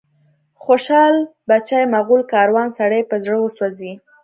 خوشال بچي، مغول کاروان، سړی په زړه وسوځي